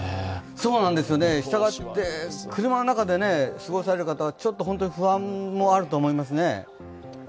そうなんです、したがって車の中で過ごされる方は本当に不安もあると思いますね。